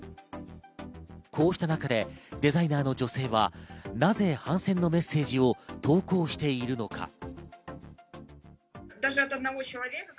こうした中でデザイナーの女性はなぜ反戦のメッセージを投稿しているのか。